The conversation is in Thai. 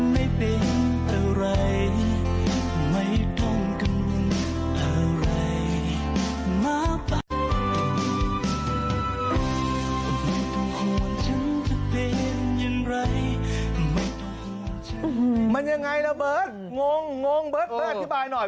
มันยังไงล่ะเบิร์ตงงงเบิร์ตอธิบายหน่อย